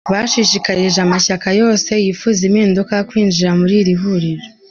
Bashishikarije amashyaka yose yifuza impinduka kwinjira muri iri huriro.